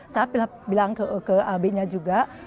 saya bilang ke abinya juga